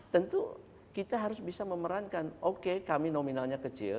tentu kita harus bisa memerankan oke kami nominalnya kecil